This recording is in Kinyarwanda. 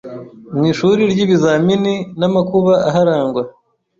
mwishuri ryibizamini namakuba aharangwa